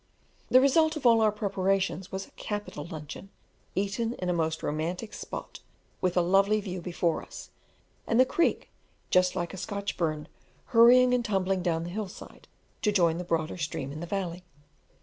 The result of all our preparations was a capital luncheon, eaten in a most romantic spot, with a lovely view before us, and the creek just like a Scotch burn, hurrying and tumbling down the hill side to join the broader stream in the valley.